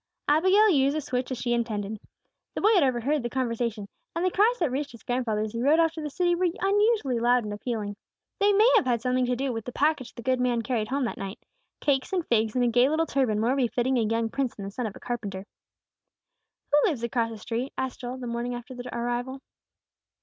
Abigail used the switch as she had intended. The boy had overheard the conversation, and the cries that reached his grandfather as he rode off to the city were unusually loud and appealing. They may have had something to do with the package the good man carried home that night, cakes and figs and a gay little turban more befitting a young prince than the son of a carpenter. "Who lives across the street?" asked Joel, the morning after their arrival.